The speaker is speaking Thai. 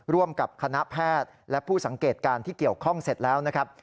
ร่วมกับคณะแพทย์และผู้สังเกตการณ์ที่เกี่ยวข้องเสร็จแล้วนะครับ